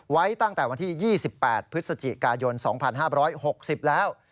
ไว้ตั้งแต่วันที่๒๘พฤศจิกายน๒๕๖๐แล้ว